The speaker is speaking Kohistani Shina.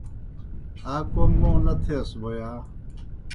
آ کوْم موں نہ تھیس بوْ یا؟